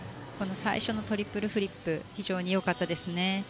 最初のトリプルフリップ非常に良かったですね。